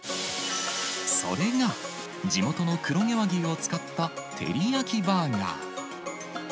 それが地元の黒毛和牛を使った、照り焼きバーガー。